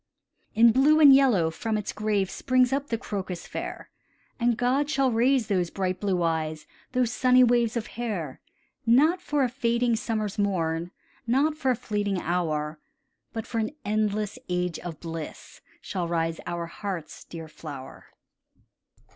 In blue and yellow from its grave Springs up the crocus fair, And God shall raise those bright blue eyes, Those sunny waves of hair. Not for a fading summer's morn, Not for a fleeting hour, But for an endless age of bliss, Shall rise our heart's dear flower.